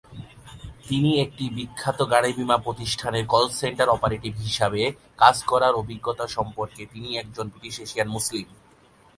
তিনি একটি বিখ্যাত গাড়ি বীমা প্রতিষ্ঠানের কল সেন্টার অপারেটিভ হিসাবে কাজ করার অভিজ্ঞতা সম্পর্কে তিনি একজন ব্রিটিশ এশিয়ান মুসলিম।